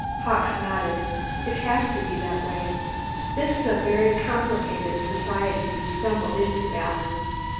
Hawkes nodded. "It has to be that way. This is a very complicated society you've stumbled into, Alan.